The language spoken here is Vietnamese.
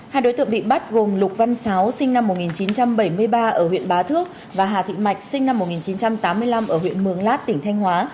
hai đối tượng bị bắt gồm lục văn sáo sinh năm một nghìn chín trăm bảy mươi ba ở huyện bá thước và hà thị mạch sinh năm một nghìn chín trăm tám mươi năm ở huyện mường lát tỉnh thanh hóa